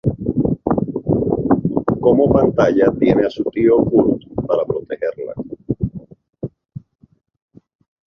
Como pantalla tiene a su "tío Kurt" para protegerla.